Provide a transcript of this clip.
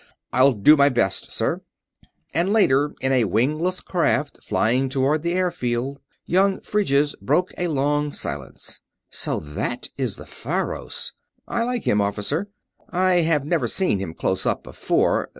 "I'll do my best, sir." And later, in a wingless craft flying toward the airfield, young Phryges broke a long silence. "So that is the Faros ... I like him, Officer ... I have never seen him close up before